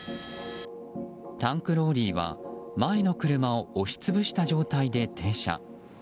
タンクローリーは前の車を押し潰した状態で停車。